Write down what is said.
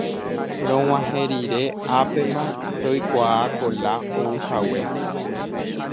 Rog̃uahẽ rire ápema roikuaa Kola ouhague.